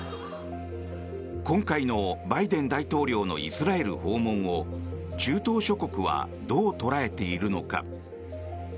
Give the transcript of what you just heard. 今回のバイデン大統領のイスラエル訪問を中東諸国はどう捉えているのか。